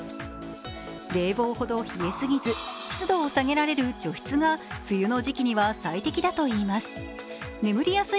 冷房ほど冷えすぎず湿度を下げられる除湿が梅雨の時期には最適だといいます。